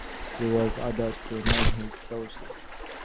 He was ordered to name his sources.